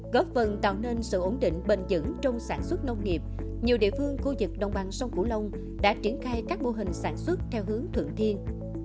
góp phần tạo nên sự ổn định bền dững trong sản xuất nông nghiệp nhiều địa phương khu vực đồng bằng sông cửu long đã triển khai các mô hình sản xuất theo hướng thượng thiên